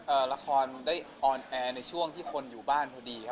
ดีใจละครได้ออนแอร์คลิปในช่วงที่คนอยู่บ้าน